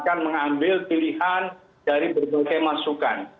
akan mengambil pilihan dari berbagai masukan